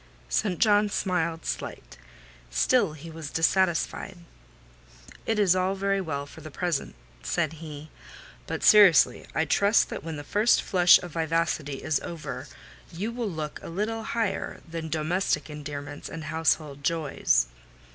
St. John smiled slightly: still he was dissatisfied. "It is all very well for the present," said he; "but seriously, I trust that when the first flush of vivacity is over, you will look a little higher than domestic endearments and household joys."